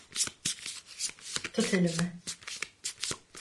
Tut elimi.